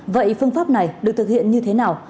vậy phương pháp này được thực hiện như thế nào